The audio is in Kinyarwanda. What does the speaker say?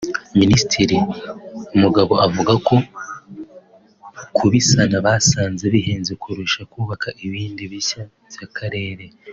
Minisitiri Mugabo avuga ko kubisana basanze bihenze kurusha kubaka ibindi bishya by’Akarere